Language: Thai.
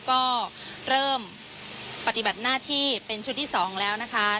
ก็เริ่มปฏิบัติหน้าที่เป็นชุดที่๒แล้วนะคะ